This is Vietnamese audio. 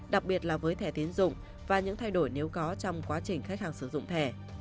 đặc biệt là với thẻ tiến dụng và những thay đổi nếu có trong quá trình khách hàng sử dụng thẻ